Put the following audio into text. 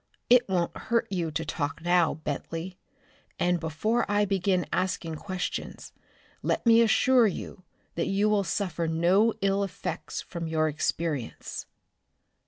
It won't hurt you to talk now, Bentley, and before I begin asking questions, let me assure you that you will suffer no ill effects from your experience."